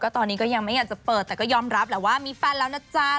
ตอนนี้ก็ยังไม่อยากจะเปิดแต่ก็ยอมรับแหละว่ามีแฟนแล้วนะจ๊ะ